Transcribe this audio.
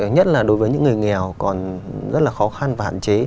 nhất là đối với những người nghèo còn rất là khó khăn và hạn chế